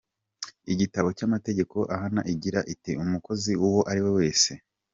igitabo cy’Amategeko ahana igira iti : “Umukozi uwo ari we wese .